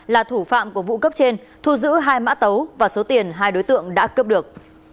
là thủ phạm của vụ cấp trên thu giữ hai mã tấu và số tiền hai đối tượng đã cướp được